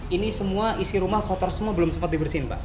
ini semua isi rumah kotor semua belum sempat dibersihin pak